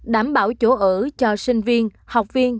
đảm bảo chỗ ở cho sinh viên học viên